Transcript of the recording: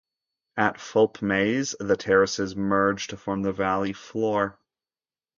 At Fulpmes the terraces merge to form the valley floor.